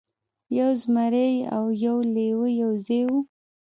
یو زمری او یو لیوه یو ځای وو.